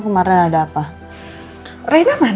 pusatuencia partisipasi kan